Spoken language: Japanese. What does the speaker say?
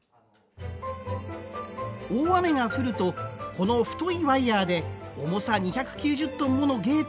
大雨が降るとこの太いワイヤーで重さ２９０トンものゲートを引き上げます。